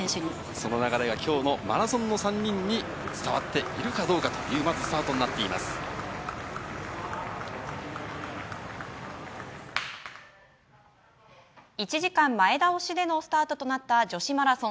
その流れがきょうのマラソンの３人に伝わっているかどうかという、まずスタートになっていま１時間前倒しでのスタートとなった女子マラソン。